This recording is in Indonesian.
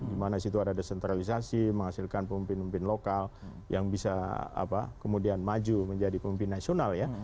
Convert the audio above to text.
dimana situ ada desentralisasi menghasilkan pemimpin pemimpin lokal yang bisa kemudian maju menjadi pemimpin nasional ya